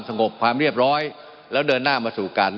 เพราะคดีความต่ำมันมีมากมายนะจริงก็ไม่อยากให้ก้าวล่วง